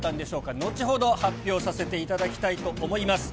後ほど発表させていただきたいと思います。